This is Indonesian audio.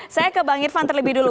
saya ke bang irvan terlebih dulu